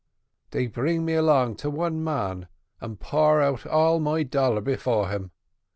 They bring me along to one man, and pour out all my dollar before him.